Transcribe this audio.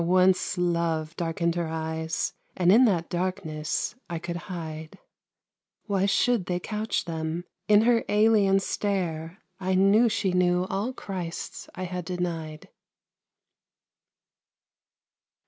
once love darkened Her eyes, and in that darkness I could hide Why should they couch them? In her alien stare I knew she knew all Christs I had denied.